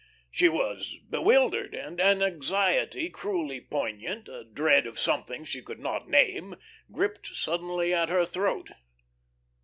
She was bewildered, and an anxiety cruelly poignant, a dread of something she could not name, gripped suddenly at her throat.